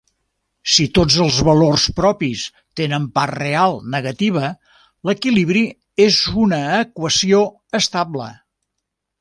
Si tots els valors propis tenen part real negativa, l'equilibri és una equació estable.